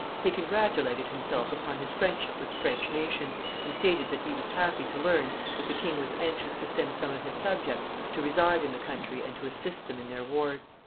He congratulated himself upon his friendship with the French nation, and stated that he was happy to learn that the king was anxious to send some of his subjects to reside in the country and to assist them in their wars.